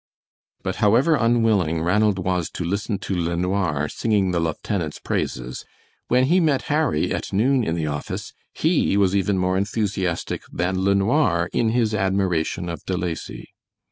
But however unwilling Ranald was to listen to LeNoir singing the lieutenant's praises, when he met Harry at noon in the office he was even more enthusiastic than LeNoir in his admiration of De Lacy.